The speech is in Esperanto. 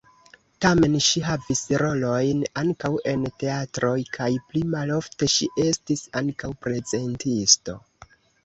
Tamen ŝi havis rolojn ankaŭ en teatroj kaj pli malofte ŝi estis ankaŭ prezentisto.